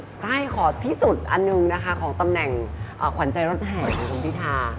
ใช่ขอที่สุดอันหนึ่งนะคะของตำแหน่งขวัญใจรถแห่ของคุณพิธา